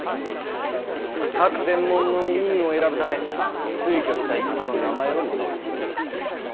各専門の委員を選ぶため推挙したい方の名前を載せております。